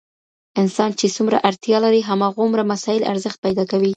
انسان چي څومره اړتیا لري هماغومره مسایل ارزښت پیدا کوي.